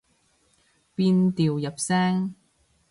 變調入聲